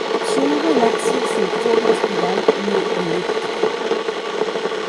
Son galaxias sin forma espiral ni elíptica.